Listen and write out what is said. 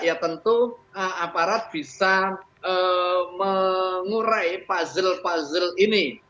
ya tentu aparat bisa mengurai puzzle puzzle ini